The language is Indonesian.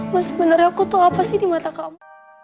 mas sebenarnya aku tuh apa sih di mata kamu